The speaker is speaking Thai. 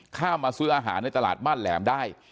มาซื้ออาหารในตลาดบ้านแหลมได้